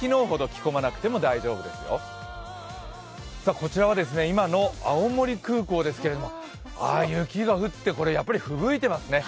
こちらは今の青森空港ですけれども、雪が降ってやっぱりふぶいてますね。